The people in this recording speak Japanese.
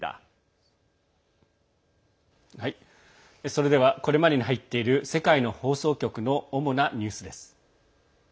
それではこれまでに入っている世界の放送局の主なニュースです。